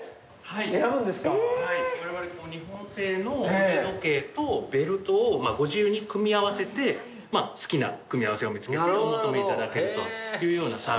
はいわれわれ日本製の腕時計とベルトをご自由に組み合わせて好きな組み合わせを見つけてお求めいただけるというようなサービスを提供しております。